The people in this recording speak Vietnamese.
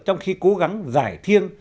trong khi cố gắng giải thiêng